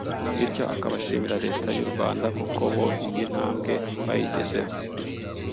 bityo akaba ashimira leta y’u Rwanda kuko bo iyi ntambwe bayigezeho